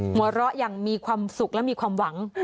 หัวเราะอย่างมีความสุขและมีความหวัง